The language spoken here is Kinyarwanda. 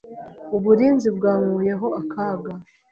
Uburinzi bwankuyeho akaga